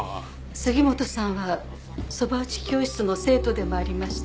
杉本さんはそば打ち教室の生徒でもありました。